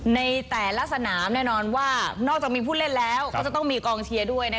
ในแต่ละสนามแน่นอนว่านอกจากมีผู้เล่นแล้วก็จะต้องมีกองเชียร์ด้วย